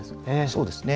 そうですね。